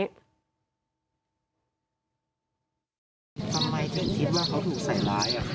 ทำไมเธอคิดว่าเขาถูกใส่ร้ายครับ